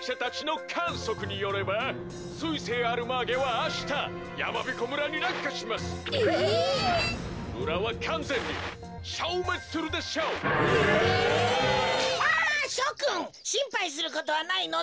あしょくんしんぱいすることはないのだ。